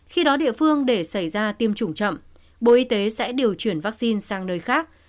khi đó địa phương để xảy ra tiêm chủng chậm bộ y tế sẽ điều chuyển vaccine sang nơi khác